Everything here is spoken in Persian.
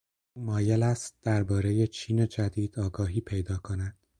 او مایل است دربارهٔ چین جدید آگاهی پیدا کند.